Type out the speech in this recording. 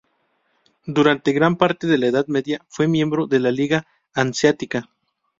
Durante gran parte de la Edad Media fue miembro de la Liga Hanseática.